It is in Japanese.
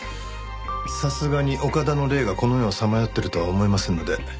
さすがに岡田の霊がこの世をさまよってるとは思えませんので。